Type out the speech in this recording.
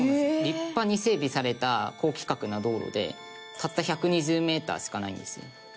立派に整備された高規格な道路でたった１２０メーターしかないんですよね。